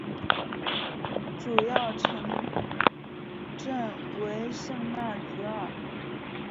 主要城镇为圣纳泽尔。